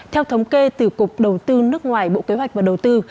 theo thống kê từ cục đầu tư nước ngoài bộ kế hoạch và đầu tư